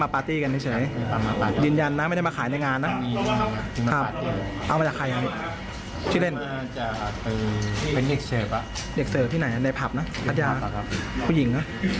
ผู้หญิงนะผู้ชายผู้หญิงผู้หญิง